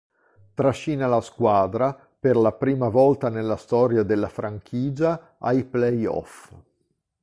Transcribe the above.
Trascina la squadra, per la prima volta nella storia della franchigia, ai playoffs.